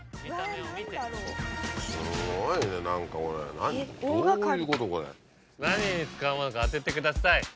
何に使うものか当ててください。